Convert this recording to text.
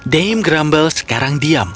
dame grumble sekarang diam